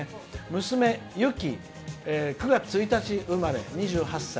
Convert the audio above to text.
「娘、ゆき９月１日生まれ、２８歳。